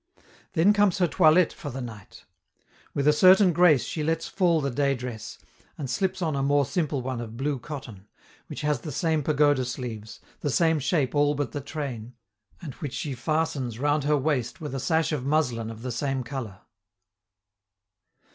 Then comes her toilette for the night. With a certain grace she lets fall the day dress, and slips on a more simple one of blue cotton, which has the same pagoda sleeves, the same shape all but the train, and which she fastens round her waist with a sash of muslin of the same color.